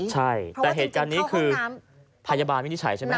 ใช่แต่เหตุการณ์นี้คือพยาบาลวินิจฉัยใช่ไหม